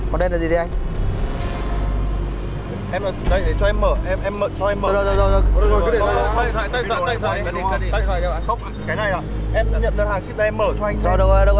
rồi đâu có đâu có